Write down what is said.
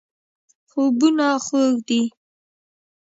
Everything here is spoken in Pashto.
خوبونه خوږ دي.